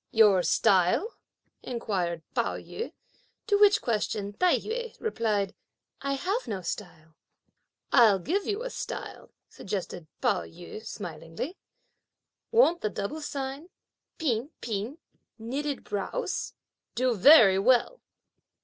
"Your style?" inquired Pao yü; to which question Tai yü replied, "I have no style." "I'll give you a style," suggested Pao yü smilingly; "won't the double style 'P'in P'in,' 'knitting brows,' do very well?"